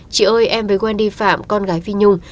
chị ơi em với wendy phạm con gái phi nhung